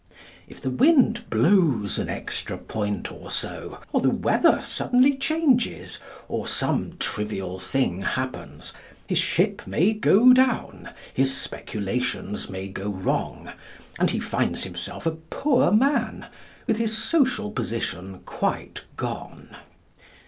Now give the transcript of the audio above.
If the wind blows an extra point or so, or the weather suddenly changes, or some trivial thing happens, his ship may go down, his speculations may go wrong, and he finds himself a poor man, with his social position quite gone.